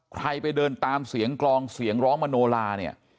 ใครไปเดินตามเสียงกลองเสียงร้องมโนลาเนี่ย